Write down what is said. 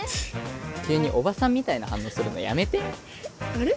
急におばさんみたいな反応するのやめてあれ？